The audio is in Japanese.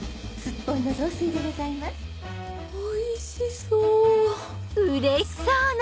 おいしそう！